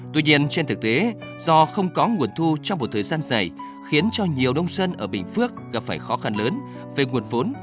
tuy nhiên trên thực tế do không có nguồn thu trong một thời gian dài khiến cho nhiều nông dân ở bình phước gặp phải khó khăn lớn về nguồn vốn